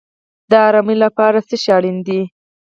د سکون لپاره څه شی اړین دی؟